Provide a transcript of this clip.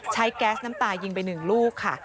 ใช้แก๊สน้ำตายิงไปหนึ่งลูกค่ะ